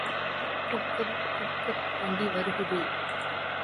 குப்குப் குப்குப் வண்டி வருகுது.